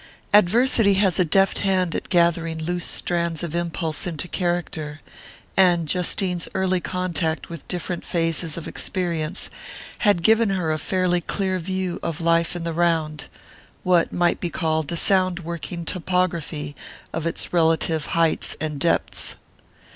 Adversity has a deft hand at gathering loose strands of impulse into character, and Justine's early contact with different phases of experience had given her a fairly clear view of life in the round, what might be called a sound working topography of its relative heights and depths.